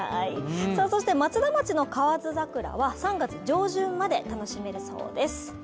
そして、松田町の河津桜は３月上旬まで楽しめるそうです。